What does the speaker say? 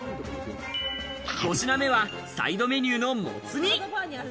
５品目はサイドメニューのもつ煮。